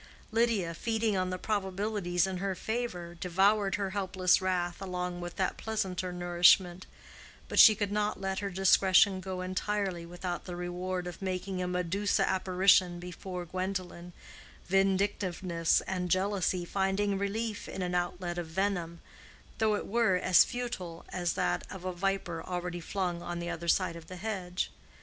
Lydia, feeding on the probabilities in her favor, devoured her helpless wrath along with that pleasanter nourishment; but she could not let her discretion go entirely without the reward of making a Medusa apparition before Gwendolen, vindictiveness and jealousy finding relief in an outlet of venom, though it were as futile as that of a viper already flung on the other side of the hedge.